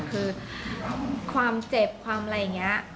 คือความเจ็บความอะไรอย่างนี้